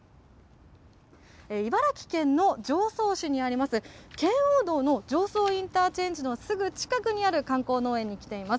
茨城県の常総市にあります、圏央道の常総インターチェンジのすぐ近くにある観光農園に来ています。